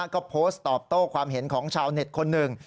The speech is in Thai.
ก็โพสต์ตอบโต้ความเห็นของชาวเน็ตคนหนึ่ง